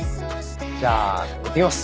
じゃあいってきます。